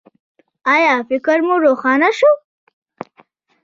ایا فکر مو روښانه شو؟